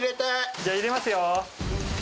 じゃあ、入れますよ。